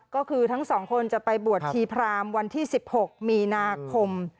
ก็คือทั้งสองคนจะไปบวชชีพรามวันที่๑๖มีนาคม